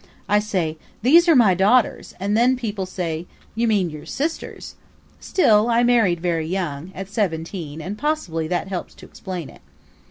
I say, 'These are my daughters,' and then people say, 'You mean your sisters.' Still I married very young at seventeen and possibly that helps to explain it."